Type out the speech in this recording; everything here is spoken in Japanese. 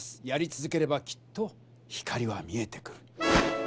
やりつづければきっと光は見えてくる。